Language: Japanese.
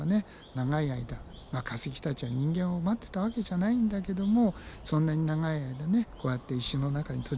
長い間化石たちは人間を待ってたわけじゃないんだけどもそんなに長い間ねこうやって石の中に閉じ込められていたならば